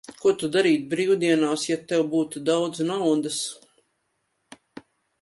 Ko tu darītu brīvdienās, ja tev būtu daudz naudas?